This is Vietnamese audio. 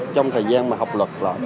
trong thời gian mà học luật